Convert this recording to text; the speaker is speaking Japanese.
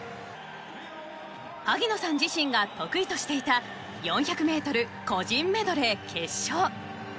萩野さん自身が得意としていた４００メートル個人メドレー決勝。